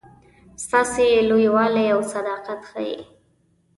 ستاسي لوی والی او صداقت ښيي.